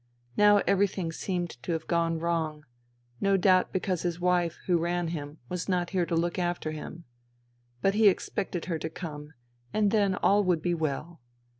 Now everything seemed to have gone wrong, no doubt because his wife who ran him was not here to look after him. But he expected her to come and then all would be well.